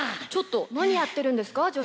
ちょっと何やってるんですか？